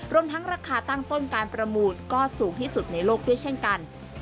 รวมทั้งราคาตั้งต้นการประมูลก็สูงที่สุดในโลกด้วยเช่นกัน